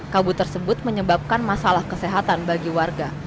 kabut tersebut menyebabkan masalah kesehatan bagi warga